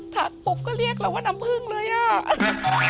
ถัดปุ๊บก็เรียกเหลือว่าน้ำพื้นเลย